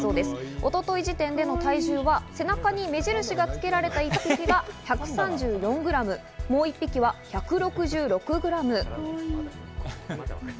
一昨日時点での体重は背中に目印が付けられた１匹が１３４ｇ、もう１匹は１６６ｇ。